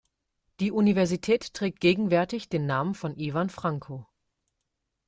Die Universität trägt gegenwärtig den Namen von "Iwan Franko".